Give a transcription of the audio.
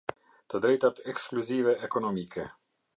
Të drejtat ekskluzive ekonomike.